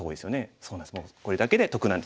そうなんです